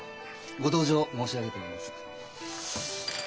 ご同情申し上げてるんです。